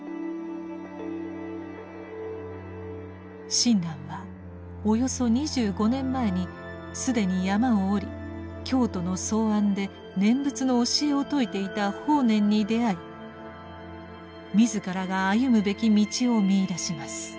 親鸞はおよそ２５年前に既に山を下り京都の草庵で念仏の教えを説いていた法然に出会い自らが歩むべき道を見いだします。